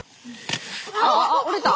あっ折れた！